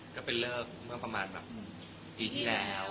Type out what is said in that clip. ก็เป็นเลิกเมื่อประมาณแบบปีที่แล้ว